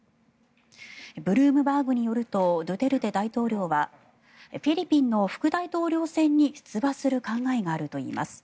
ブルームバーグによるとドゥテルテ大統領はフィリピンの副大統領選に出馬する考えがあるといいます。